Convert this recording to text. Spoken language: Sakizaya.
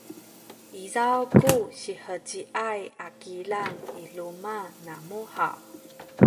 izaw ku siheciay a kilang i luma’ namu haw?